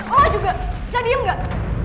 oh juga bisa diem gak